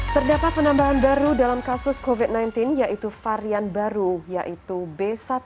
terdapat penambahan baru dalam kasus covid sembilan belas yaitu varian baru yaitu b satu satu